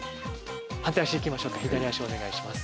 反対足行きましょうか左足お願いします。